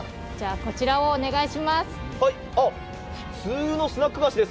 こちらをお願いします。